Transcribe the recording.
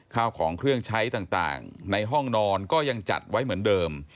ข้าวของเครื่องใช้ต่างในห้องนอนก็ยังจัดไว้เหมือนเดิม